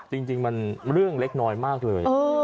จริงมันเรื่องเล็กน้อยมากเลย